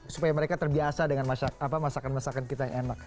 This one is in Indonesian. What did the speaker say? supaya mereka terbiasa dengan masakan masakan kita yang enak